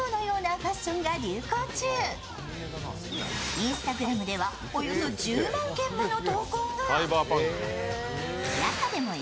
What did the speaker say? Ｉｎｓｔａｇｒａｍではおよそ１０万件もの投稿が。